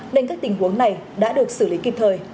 nên các tình huống này đã được xử lý kịp thời